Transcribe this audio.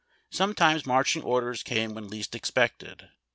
Sometimes marching orders came when least expected.